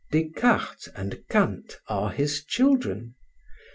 Descartes and Kant are his children.